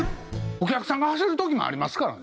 お客さんが走る時もありますからね。